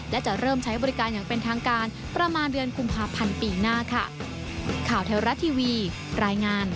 และจะเริ่มใช้บริการอย่างเป็นทางการประมาณเดือนกุมภาพันธ์ปีหน้าค่ะ